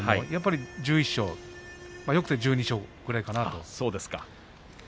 １１勝よくて１２勝ぐらいかなと思います。